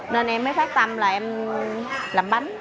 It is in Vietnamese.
nên em mới phát tâm là em làm bánh